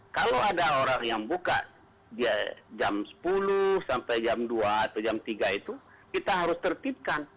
kalau ada orang yang buka jam sepuluh sampai jam dua atau jam tiga itu kita harus tertipkan